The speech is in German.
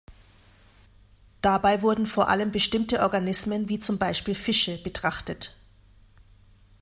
Dabei wurde vor allem bestimmte Organismen wie zum Beispiel Fische betrachtet.